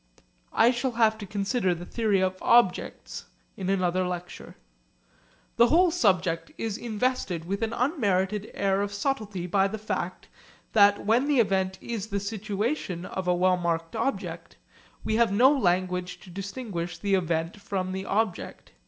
I shall have to consider the theory of objects in another lecture. The whole subject is invested with an unmerited air of subtlety by the fact that when the event is the situation of a well marked object, we have no language to distinguish the event from the object.